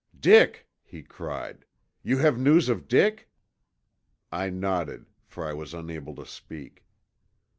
"Dick!" he cried. "You have news of Dick?" I nodded, for I was unable to speak.